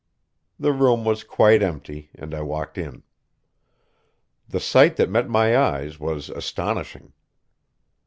The room was quite empty, and I walked in. The sight that met my eyes was astonishing.